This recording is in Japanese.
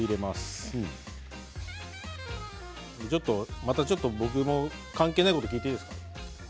またちょっと僕も関係ないこと聞いていいですか？